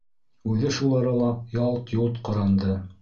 Үҙе шул арала ялт-йолт ҡаранды.